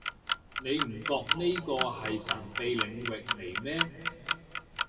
你唔覺呢個係神秘領域嚟咩